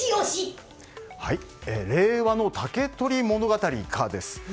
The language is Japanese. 令和の「竹取物語」か？です。